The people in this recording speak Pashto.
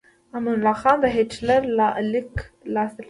امان الله خان د هیټلر لیک ترلاسه کړ.